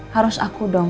harus aku dong